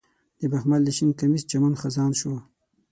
د بخمل د شین کمیس چمن خزان شو